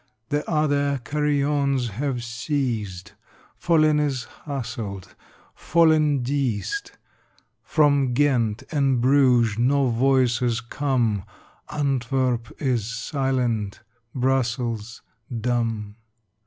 The other carillons have ceased; Fallen is Hasselt, fallen Diesl, From Ghent and Bruges no voices come, Antwerp is silent, Brussels dumb!